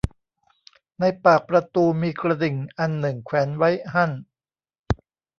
ในปากประตูมีกระดิ่งอันหนึ่งแขวนไว้หั้น